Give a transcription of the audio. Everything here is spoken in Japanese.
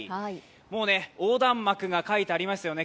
もう、横断幕が書いてありますよね。